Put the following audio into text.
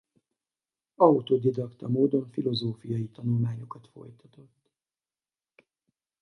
Autodidakta módon filozófiai tanulmányokat folytatott.